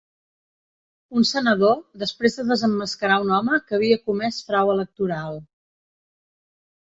Un senador, després de desemmascar un home que havia comès frau electoral.